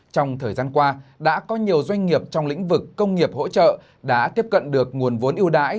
trong thời gian qua đã có nhiều doanh nghiệp trong lĩnh vực công nghiệp hỗ trợ đã tiếp cận được nguồn vốn ưu đãi